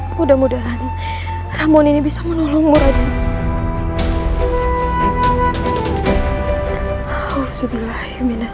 mudah mudahan ramon ini bisa menolongmu raden